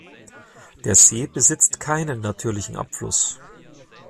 Der See besitzt keinen natürlichen Abfluss.